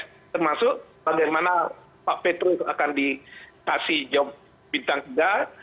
termasuk bagaimana pak petrus akan dikasih job bintang tiga